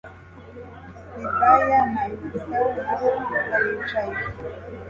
Hidaya na Innocent nabo baricaye